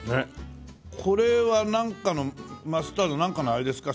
これはなんかのマスタードなんかのあれですか？